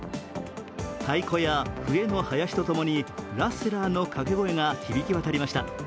太鼓や笛の囃子とともにラッセラーの掛け声が響きわたりました。